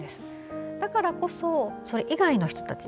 だからこそ、それ以外の人たち。